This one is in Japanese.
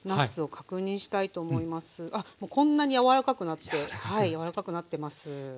あっもうこんなに柔らかくなってはい柔らかくなってます。